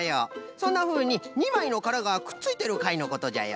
そんなふうににまいのからがくっついてるかいのことじゃよ。